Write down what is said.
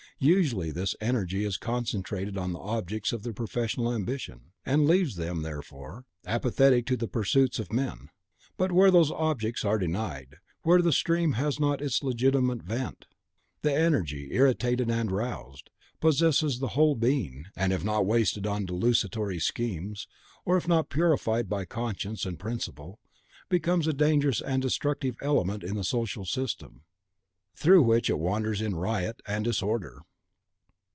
Usually this energy is concentrated on the objects of their professional ambition, and leaves them, therefore, apathetic to the other pursuits of men. But where those objects are denied, where the stream has not its legitimate vent, the energy, irritated and aroused, possesses the whole being, and if not wasted on desultory schemes, or if not purified by conscience and principle, becomes a dangerous and destructive element in the social system, through which it wanders in riot and disorder.